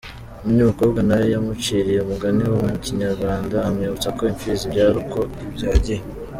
Undi Mukobwa nawe yamuciriye umugani w’ ikinyarwanda amwibutsa ko Imfizi ibyara uko ibyagiye .